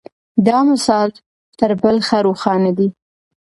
دا مثال تر بل ښه روښانه دی.